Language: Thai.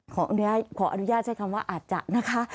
ขออนุญาตใช้คำว่าอาจจะนะคะ